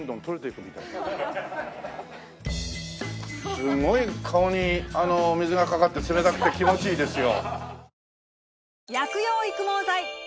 すごい顔に水がかかって冷たくて気持ちいいですよ。